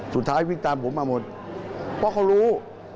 สุดท้ายวิ่งตามผมมาหมดเพราะเขารู้